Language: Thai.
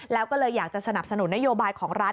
แล้วก็เลยอยากจะสนับสนุนนโยบายของรัฐ